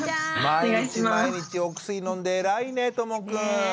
毎日毎日お薬飲んで偉いねともくん。